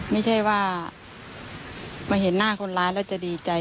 ไม่ใช่ว่ามาเห็นหน้าคนร้ายแล้วจะดีใจ